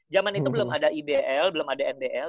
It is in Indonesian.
zaman itu belum ada ibl belum ada nbl